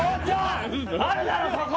あるだろそこ！